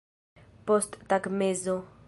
posttagmezo